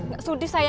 gak sudi saya